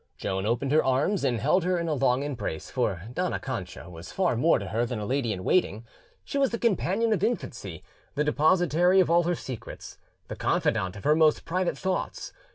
Joan opened her arms and held her in a long embrace, for Dona Cancha was far more to her than a lady in waiting; she was the companion of infancy, the depositary of all her secrets, the confidante of her most private thoughts.